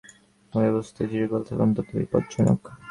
আমরা বর্তমানে যে অবস্থায় আছি, ঐ অবস্থায় চিরকাল থাকা অত্যন্ত বিপজ্জনক।